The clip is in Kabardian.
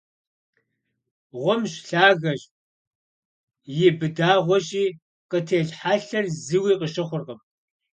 Гъумщ, лъагэщ, и быдэгъуэщи, къытелъ хьэлъэр зыуи къыщыхъуркъым.